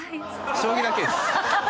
将棋だけです。